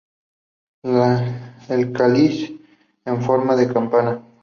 El cáliz en forma de campana.